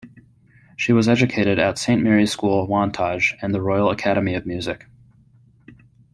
She was educated at Saint Mary's School, Wantage and the Royal Academy of Music.